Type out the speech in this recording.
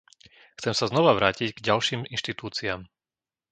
Chcem sa znova vrátiť k ďalším inštitúciám.